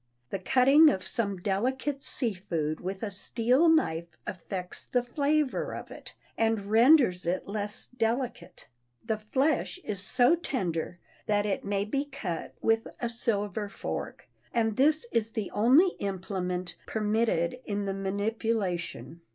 The cutting of some delicate sea food with a steel knife affects the flavor of it, and renders it less delicate. The flesh is so tender that it may be cut with a silver fork, and this is the only implement permitted in its manipulation.